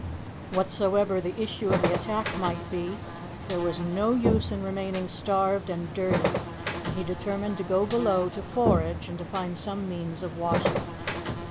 Whatsoever the issue of the attack might be, there was no use in remaining starved and dirty, and he determined to go below to forage and to find some means of washing.